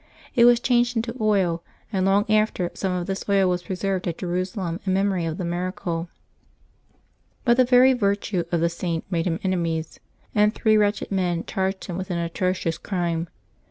It was changed into oil, and long after some of this oil was preserved at Jeru salem in memory of the miracle. But the very virtue of the Saint made him enemies, and three wretched men charged him with an atrocious crime.